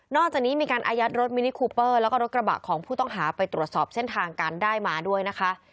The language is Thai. อกจากนี้มีการอายัดรถมินิคูเปอร์แล้วก็รถกระบะของผู้ต้องหาไปตรวจสอบเส้นทางการได้มาด้วยนะคะ